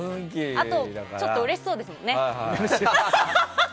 あと、ちょっとうれしそうですね。